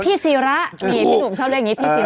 พี่ศิระเหมียวพี่หนุ่มชาวเรียกแบบนี้